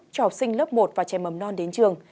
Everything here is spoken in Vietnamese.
cho học sinh lớp một và trẻ mầm non đến trường